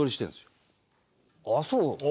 あっそう。